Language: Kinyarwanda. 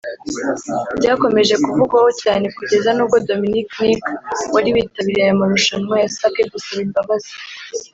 Byakomeje kuvugwaho cyane kugeza n’ubwo Dominick Nick wari witabiriye aya marushanwa yasabwe gusaba imbabazi